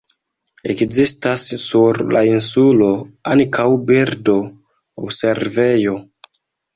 Ekzistas sur la insulo ankaŭ birdo-observejo.